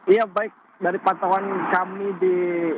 iya baik dari pantauan kami di